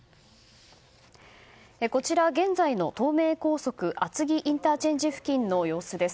こちらは、現在の東名高速厚木ＩＣ付近の様子です。